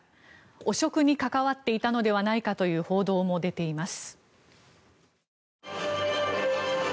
汚職に関わっていたのではないかという報道も出ています。